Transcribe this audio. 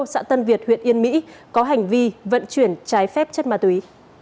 xã tân việt huyện yên mỹ có hành vi vận chuyển trái phép chất ma túy